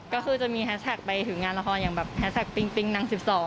ก็คือจะมีแฮชแท็กไปถึงงานละครอย่างแบบแฮชแท็กปิงปิ๊งนาง๑๒